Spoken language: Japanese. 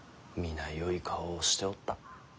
皆よい顔をしておった。